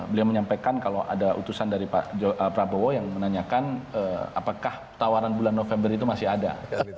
beliau menyampaikan kalau ada utusan dari pak prabowo yang menanyakan apakah tawaran bulan november itu masih ada